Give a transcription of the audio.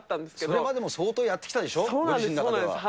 そこまでは相当やってきたでしょ、練習の中では。